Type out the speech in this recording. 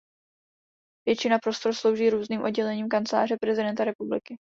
Většina prostor slouží různým oddělením kanceláře prezidenta republiky.